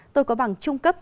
tôi có bằng trung cấp